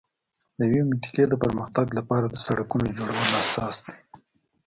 د یوې منطقې د پر مختګ لپاره د سړکونو جوړول اساس دی.